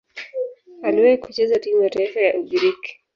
Aliwahi kucheza timu ya taifa ya Ugiriki.